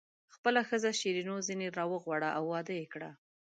خپله ښځه شیرینو ځنې راوغواړه او واده یې کړه.